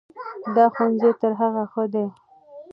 دا ښوونځی تر هغه ښه ده.